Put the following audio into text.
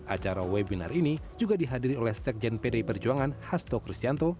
acara webinar ini juga dihadiri oleh sekjen pdi perjuangan hasto kristianto